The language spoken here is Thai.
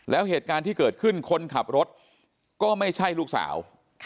แล้วเหตุการณ์ที่เกิดขึ้นคนขับรถก็ไม่ใช่ลูกสาว